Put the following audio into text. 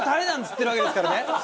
なんつってるわけですからね。